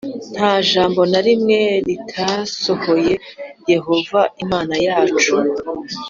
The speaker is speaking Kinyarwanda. nta jambo na rimwe ritasohoye Yehova Imana yacu